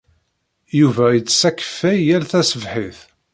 Yuba ittess akeffay yal taṣebḥit.